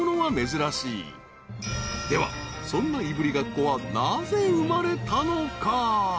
［ではそんないぶりがっこはなぜ生まれたのか？］